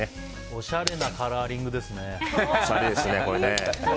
おしゃれなカラーリングですね。